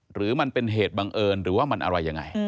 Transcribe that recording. หรือมันเป็นเหตุบังเอิญหรือว่ามันอะไรยังไง